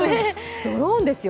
ドローンですよ。